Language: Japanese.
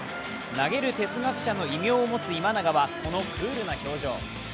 投げる哲学者の異名を持つ今永はこのクールな表情。